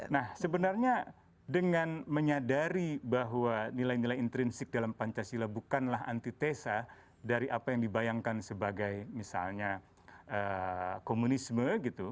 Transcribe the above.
nah sebenarnya dengan menyadari bahwa nilai nilai intrinsik dalam pancasila bukanlah antitesa dari apa yang dibayangkan sebagai misalnya komunisme gitu